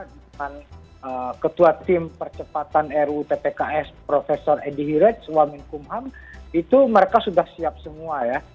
dan ketua tim percepatan ruu tpks prof edi hirej wamin kumham itu mereka sudah siap semua ya